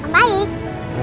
kamu harus mencari